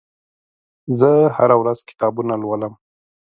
زه هره ورځ کتابونه لولم.